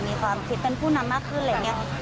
มีความคิดเป็นผู้นำมากขึ้นอะไรอย่างนี้